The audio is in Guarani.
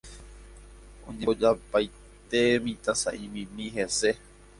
Oñembojapaite mitã sa'imimi hese